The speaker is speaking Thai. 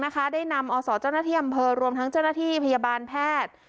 ได้นำอศเจ้าหน้าที่อำเภอรวมทั้งเจ้าหน้าที่พยาบาลแพทย์